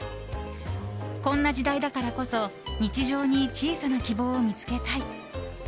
こんな時代だからこそ日常に小さな希望を見つけたい。